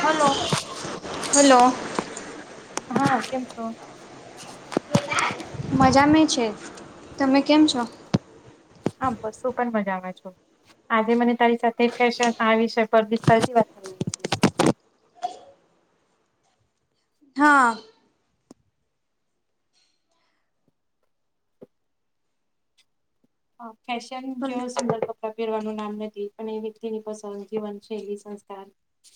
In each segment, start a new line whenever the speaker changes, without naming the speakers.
Hello
hello
હા કેમ છો
મજા મે છે તમે કેમ છો
હા બસ હું પણ મજા મા છુ આજે મને તારી સાથે ફશન આ વિષય પર દિસ્તા વાત કરવાની છે
હા
હા ફશન જ સંદર્ભ પેરવાનું નામ નથી પણ એ વ્યક્તિ ની પસંદ જીવનશૈલી સંસ્કાર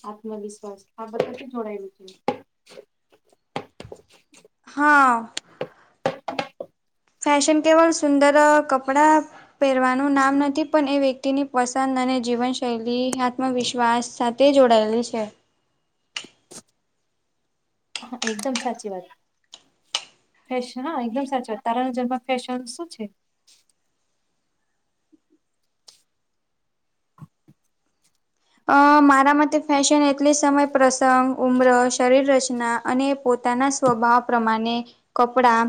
આત્મવિશ્વાસ આા બદલથી થોડા એ વિચ
હા ફેશન કેવળ સુંદર કપડા પહેરવાનું નામ નથી પણ એ વ્યક્તિની પસંદ અને જીવનશૈલી આત્મવિશ્વાસ સા તે જોડાયેલી છે
હા એકદમ સાચી વાત ફેશન હા એકદમ સાચું તારાણ જરમાં ફેશન શું છે?
અ મારા માટે ફેશન એટલે સમય પ્રસંગ ઉમ્ર શરીર રચના અને પોતાના સ્વભાવ પ્રમાણે કપડા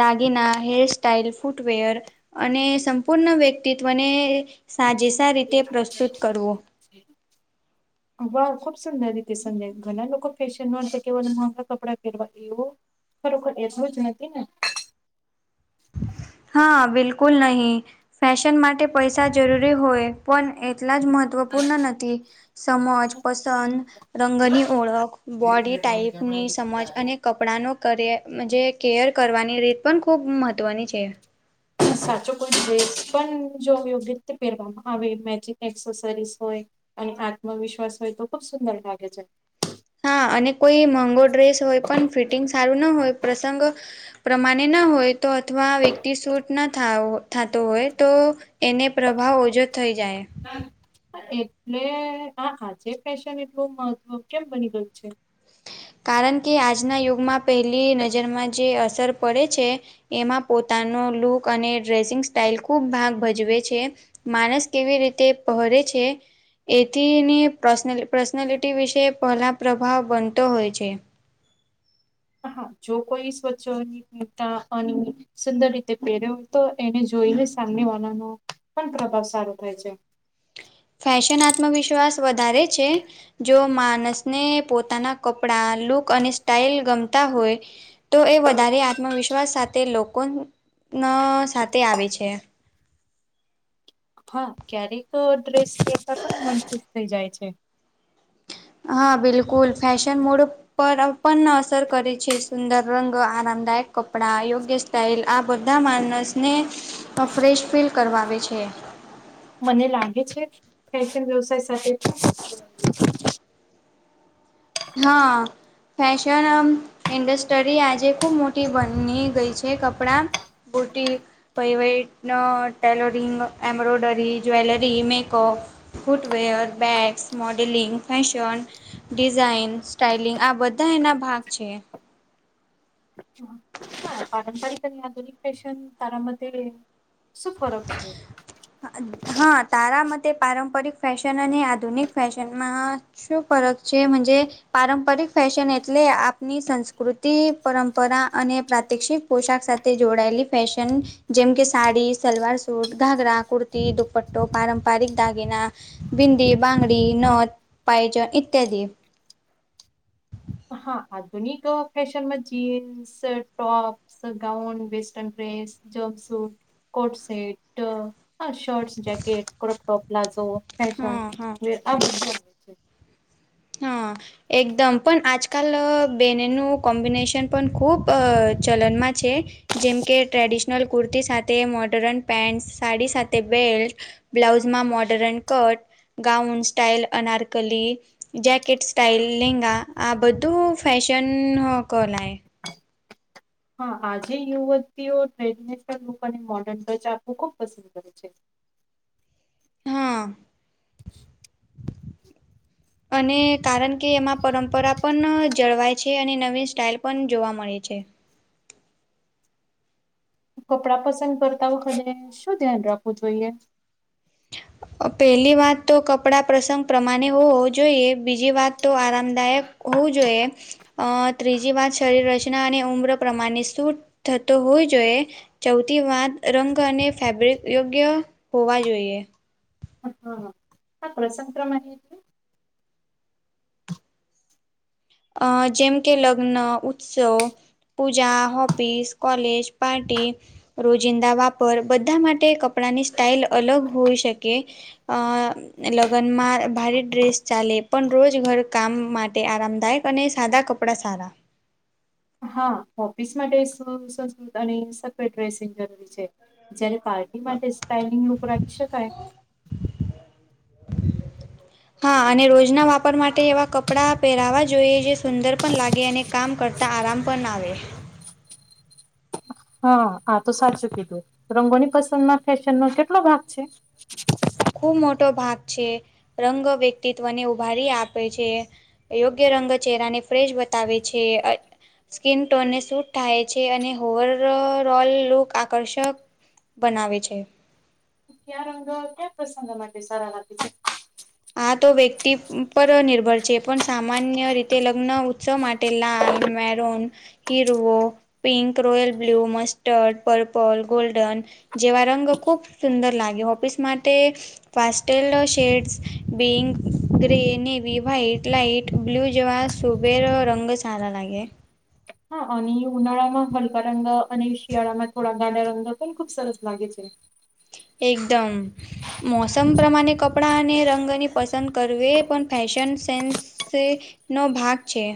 દાગીના હેરસ્ટ્ટાાઈલ ફૂટવેર અને સંપૂર્ણ વ્યક્તિત્વને સાજેેશ રીતે પ્રસ્તુત કરવો
[inaudible] વાહ ખુબ સુંદર રીતે સંજ્યા ઘણા લોકોક ફેશનમાં છે કેવ માફા કપડા ફેરવા એવો [unintelligible]
હા બિલકુલ નહી ફેશન માટે પૈસા જરૂરી હોય પણ એટલા જ મહત્વપૂર્ણ નથી સમજ પસંદ રંગની ઓળખ બોડી ટાઈપની સમજ અને કપ પડાંનો કરયે કેયર કરવાની રીત પણ ખૂબ મહત્ત્વની છે
સાચો કોઈ ડસ પણ જો યોગ્ય રીતે પહેરવામાં આવે મેજ એસેસરીસ હોય અને આત્મવિશ્વાસ હોય તો ખુબ સુંદર લાગે છે
હા અને કોઈ મોંગો ડ્રેસ હોય પણ ફિટિંગ સારું ના હોય પ્રસંગ પ્રમાણે ના હોય તો અથવા વ્યક્તિ સૂટ ના થ થતો હોય તો એને પ્રભાવ ઓછો થઈ જાય
એટલે આ આજે ફેશન એટલું મહત્વ કેમ બની ગયું છે
કારણ કે આજના યુગમાં પહેલી નજરમાં જે અસર પડે છે એમાં પોતાનો લુક અને ડ્રેસિંગ સ્ટાઈલ ખુબ ભાગ ભજવે છે માણસ કેવી રીતે પરે છે એથીને પર્ પર્સનાલિટી વિશે પહેલા પ્રભાવ બનતો હોય છે
હા જો કોઈ સ્વચ્છતા અને સુંદર રીતે પહેર્યો તો એને જોઈને સામની વાળાનો પણ પ્રભાવ સારો થાય છે
ફેશન આત્મવિશ્વાસ વધારે છે જો માણસને પોતાના કપડા લુક અને સ્ટાઈલ ગમતા હોય તો એ વધારે આત્મવિશ્વાસ સાથે લોકો નો સાથે આવે છે
હા ક્યારેક ડ્રેસ લહેતા પણ નનુશ થઈ જાય છે
હા બિલકુલ ફેશન મોડ પરપન અસર કરે છે સુંદર રંગ આરામદાયક કપડા યોગ્ય ટાઇલ આ બધા માણસને ફ્રેશ ફીલ કરવાવે છે
મને લાગે છે ફેશન વ્યવસાય સાથે
હા ફેશન ઇન્ડસ્ટ્રી આજે ખૂબ મોટી બની ગઈ છે કપડાં બુટી પ વટ tailoring embroidery jewellery makeup footwear bags modelling fashion design styling આ બધા એના ભાગ છે
પારંપરિક અને આધુનિક ફશન તારા ફરક છે
હા તારા મતે પારંપરિક ફેશન અને આધુનિક ફેશનમાં શુ ફરક છેજે પારંપરિક ફેશન એટલે આપની સંસ્કૃતિ પરંપરા અને પ્રાતક્ષિક પોશાક સાથે જોડાયેલી ફેશન જેમ કે સાડી સલવાર સૂટ ઘાઘરા કુર્તી દુપટ્ટો પારંપરિક દાગિના ભિંદી બંગડી નથ પાાયજન ઈત્યાદ
હા આધુનિક ફેશનમાં jeans shirt top gown western dress jumpsuit coat set હ shirts jacket crop top palazzo
હમ હમ
હશ
હા એકદમ પણ આજકાલ બનેનું કોમ્બિનેશન પણ ખૂબ ચલનમાં છે જેમકે ટ્રેડિશનલ કુર્તી સાથે મોર્ડર્ન પેન્ટ સાડી સાથે બેલ્ટ બ્લાઉઝમાં modern cut gown style anarkali jacket styling આ બધું ફેશન કોલાય
હા આજે યુવતીઓ ટ્રેડને પણક અને મોડર્ન ડ્રેચ આપવું ખુબ પસંદ કરે છે
હા અને કારણ કે એમાં પરંપરા પણ જળવાય છે અને નવી સ્ટાઇલ પણ જોવા મળે છે
કપડાં પસંદ કરતા વખતે શું ધ્યાન રાખવું જોઈએ [inaudible]
પહેલી વાત તો કપડાં પ્રસંગ પ્રમાણે હોવો જોઈએ બીજી વાત તો આરામદાયક હોવું જોઈએ ત્રીજી વાત શરીર રચના અને ઉમ્ર પ્રમાણે શ થતો હોવી જોઈએ ચૌથી વાત રંગ અને ફેબ્રિક યોગ્ય હોવા જોઈએ
હા હા હ કસક્રમથી
અ જેમ કે લગ્ન ઉત્સવ પૂજા ઓફિસ કલેજ પાર્ટી રોજિંદા વાપર બધા માટે કપડાની સ્ટાાઈલ અલગ હોઈ શકે અ લગ્નમાં ભારે ડ્રેસ ચાલે પણ રોજ ઘર કામ માટે આરામદાયક અને એ સાદા કપડાં સારા
હા ઓફિસ માટેસ્કૃત અને સક ડ્રેસિંગ જરૂરી છે જે્યારે પાર્ટી એની માટે સ્ટઇલિંગ લુક રાખી શકાય.
હા અને રોજના વાપર માટે એવા કપડાં પહેરાવા જોઈએ જે સુંદર પણ લાગે અને કામ કરતાં આરામ પણ આવે.
હા આ તો સાચું કીધું રંગોની પસંદમાં ફેશન નો કેટલો ભાગ છે.
ખૂબ મોટો ભાગ છે રંગ વ્યક્તિત્વને ઉભારી આપે છે યોગ્ય રંગ ચહેરાને ફ્રેશ બતાવે છે સ્કીિન ટોનને સૂટ થાય છે અને હોવર ઓલ લુક આકર્ષક બનાવે છે
ક્યાં રંગ ક્યાં પ્રસંગ માટે સારા લાગે છે
આ તો વ્યક્તિ પર નિર્ભર છે પણ સામાન્ય રીતે લગ્ન ઉત્સવ માટે લ મેરોન હીરવો pink, royal blue, mustard, purple, golden. જેવા રંગ ખૂબ સુંદર લાગે ઓફિસ માટે મસ્ટર્ડ શેડ્સ બિંગ grey navy white light blue જેવા સુબેરો રંગ સારા લાગે.
હા અને ઉનાળામાં હલકા રંગ અને શિયાળામાં થોડા ગાડા રંગ પણ ખુબ સરસ લાગે છે.
એકદમ. મોસમ પ્રમાણે કપડાં અને રંગની પસંદ કરવી એ પણ ફેશન સેન્સ સે નો ભાગ છે.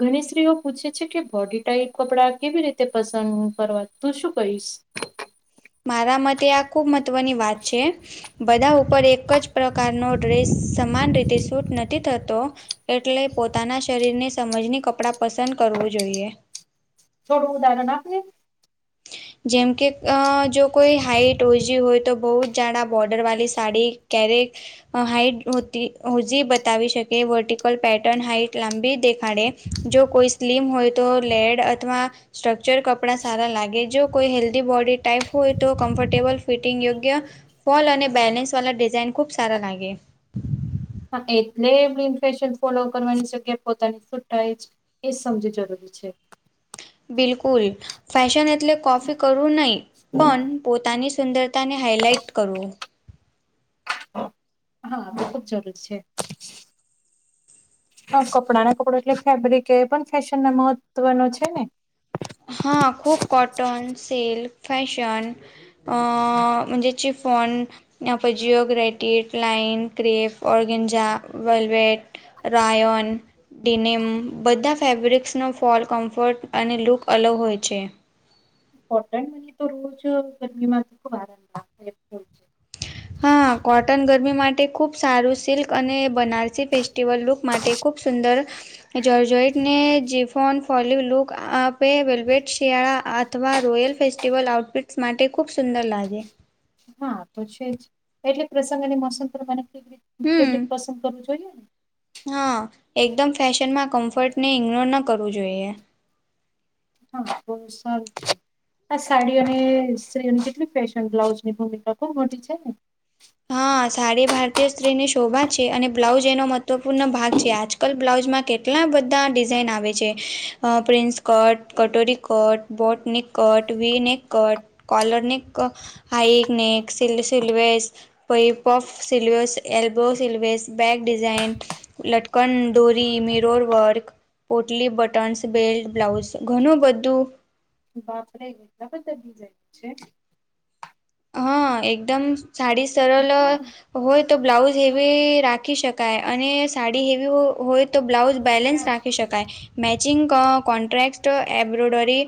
ઘણી સ્ત્રીઓ પૂછે છે કે બોડી ટાઈપ કપડા કેવી રીતે પસંદ કરવા તું શું કહીશ.
મારા મતે આ ખૂબ મહત્ત્વની વાત છે. બધા ઉપર એક જ પ્રકારનો ડ્રેસ સમાન રીતે સૂટ નથી થતો. એટલે પોતાના શરીર ની સમજની કપડાં પસંદ કરવું જોઈએ.
થોડું ઉદાહરણ આપ ની.
જેમકે આ જો કોઈ હાઈટ ઉંચી હોય તો બહુ જાડા બોર્ડર વાળી સાડી ક્યારે આ હાઈટ હોતી હોજી બતાવી શકે વર્ટિકલ પેટર્ન હાઈટ લાંબી દેખાડે જો કોઈ સ્લીમ હોય તો લેડ અથવા સ્ટ્રક્ચર કપડા સારા લાગ ગે જો કોઈ હેલ્ધી બોડી ટાઈપ હોય તો કમ્ફર્ટેબલ ફિટિંગ યોગ્ય ફોલ અને બેલેન્સ વાળા ડિઝાઇન ખુબ સારા લાગે.
હા એટલે ગ્રીન ફેશન ફોલો કરવાની જગ્યા પોતાની છૂટાય જ એ સમજી જરૂરી છે.
બિલકુલ ફેશન એટલે કોપી કરવું નહીં પણ પોતાની સુંદર તા ને હાઇલાઇટ કરવું.
હા આ તો ખુબ જરૂર છે. હા કપડાં ને કપડ એટલે ફેબ્રિક એ પણ ફેશન ના મહત્વ નું છે ને.
હા ખૂબ કોટન સિલ્ક ફેશન અ જે ચિફોન ના ફે જીયો ગ્રેટેટ લાઈન કેફ ઓર્ગેનજા વલવેટ રાયન ડિનેમ બધા ફેબ્રિક્સનો ફોલ કમ્ફર્ટ અને લુક અલગ હોય છે.
કોટન મને તો રોજ ગરમી માંથી ખુબ આરામ લાગે છે.
હા કોટન ગરમી માટે ખૂબ સારું સિલ્ક અને બનારસી ફેસ્ટિવલ લુક માટે ખૂબ સુંદર જોલજોઈટા ને જીફોન ફોલી લુક આપે વેલવેટ શિયાળા આ અથવા રોયલ ફેસ્ટિવલ આઉટફિટ્સ માટે ખૂબ સુંદર લાગે.
હા તો છે જ એટલે પ્રસંગની મસંગ પ્રમાણે [unintelligible] ફેબ્રિક
હમ
પસંદ કરવું જ [unintelligible]
હા એકદમ ફેશનમાં કમ્ફર્ટને ઇગ્નોર ન કરવું જોઈએ.
હા બહુ સારું. આ સાડી અને સ્ત્રી કેટલી ફેશન બ્લાઉઝની ભૂમિકા ખૂબ મોટી છે ને.
હા સાડી ભારતીય સ્ત્રીની શોભા છે અને બ્લાઉજ એનો મહત્વપૂર્ણ ભાગ છે આજ કલ બ્લાઉઝમાં કેટલા બધા ડિઝાઇન આવે છે આ પ્રિન્સ કટ કટોરી cut boat neck cut V neck cut collar neck high neck સિલ સીલ સિલવેસ પઈ પોોપ sleeves elbow sleeves back design લટકન દોરી મેરોર વર્ગ પોટલી બટન્સ બેલ્ટ બ્લાઉઝ ઘણું બધું
બાપ રે એટલા બધા ડિઝાઇન છે.
હા એકદમ સાડી સરળ
હા.
હોય તો બ્લાઉઝ હેવી રાખ રાખી શકાય અને સાડી હેવી હોય તો બ્લાઉઝ બેલેન્સ રાખી શકાય. મેચિંગ કા કોન્ટ્રાક્ટ એમ્બ્રોયડરી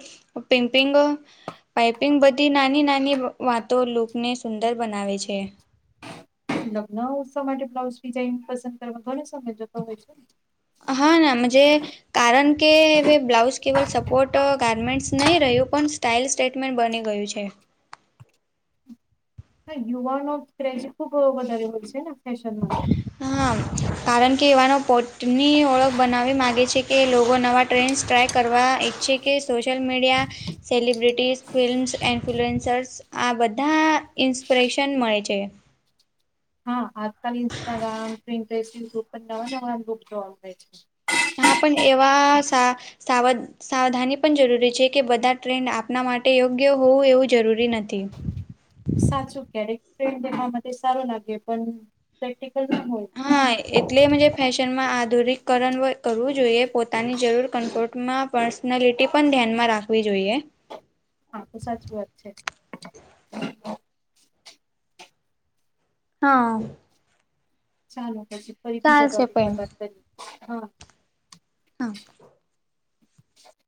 પિમ્પિંગ પાઈપિંગ બધી નાની નાની વાતો લૂકને સુંદર બનાવે છે.
લગ્ન ઉત્સવ માટે બ્લાઉઝ ડિઝાઇન પસંદ કરવા ઘણો સમય જતો હોય છે
હા ના આમ જે કારણ કે હવે બ્લાઉઝ કેવલ સપોર્ટ ગારમેન્ટ્સ નહી રહ્યું પણ સ્ટાઇલ સ્ટેટમેન્ટ બની ગયું છે.
યુવાનો ક્રેજ ખુબ વધારે હોય છે ને ફેશનમાં
હા. કારણ કે એવાનો પોટની ઓળખ બનાવવા માગે છે કે લોકો નવા ટ્રેન્ડસ ટ્રાય કરવા ઈચ્છે કે social media celebrities films influencers આ બધા ઇન્સ્પિરેશન મળે છે.
હા આજકાલ ઇન્સ્ટાગ્રામ પ્રિન્ટસ યુટ્યુબ પણ નવા નવા લુક જોવા મળે છે.
હા પણ એવા સા સાવધ સાવધાની પણ જરૂરી છે કે બધા ટ્રેન્ડ આપણા માટે યોગ્ય હોવું એવું જરૂરી નથી.
સાચું ક્યારેક ટ્રેન્ડ એમાં માટે સારો લાગે પણ પ્રેક્ટિકલ ના હોય.
હા એટલે જે ફેશનમાં આધુનિકરણ કરવું જોઈએ પોતાની જરૂર કમફોર્ટમાં પર્સનાલિટી પણ ધ્યાનમાં રાખવી જોઈએ.
હા તો સાચી વાત છે.
હા.
ચાલો પછી ફરી બીજા
તો
ટોપિક પર
પણ
વાત કરીએ હા
હા.
[inaudible]